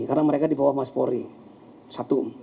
karena mereka di bawah masjid